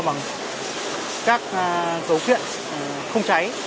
bằng các cấu kiện không cháy